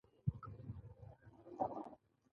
هغه په ډېر لږ عاید خپل کاروبار پیل کړی و